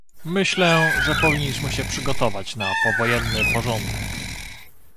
Myślę, że powinniśmy się przygotować na powojenny porządek